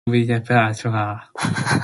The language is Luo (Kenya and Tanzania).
Wiya ila ahinya